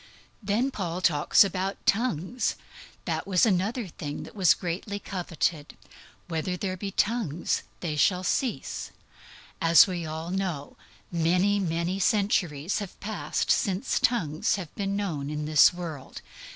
Then Paul talks about tongues. That was another thing that was greatly coveted. "Whether there be tongues, they shall cease." As we all know, many many centuries have passed since tongues have been known in this world.